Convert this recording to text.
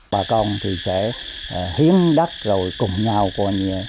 bà con thì sẽ hiếm đất rồi cùng nhau còn